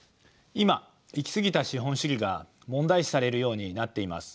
今行き過ぎた資本主義が問題視されるようになっています。